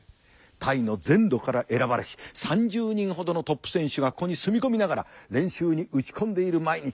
タイの全土から選ばれし３０人ほどのトップ選手がここに住み込みながら練習に打ち込んでいる毎日というわけだ。